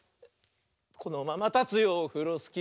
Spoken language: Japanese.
「このままたつよオフロスキー」